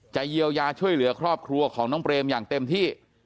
เยียวยาช่วยเหลือครอบครัวของน้องเปรมอย่างเต็มที่